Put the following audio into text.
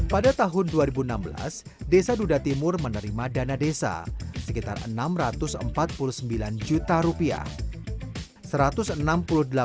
pada tahun dua ribu enam belas desa duda timur menerima dana desa sekitar rp enam ratus empat puluh sembilan juta rupiah